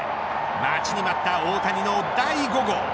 待ちに待った大谷の第５号。